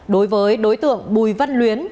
đối với đối tượng bùi văn luyến